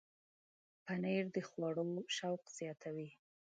پنېر د خوړو شوق زیاتوي.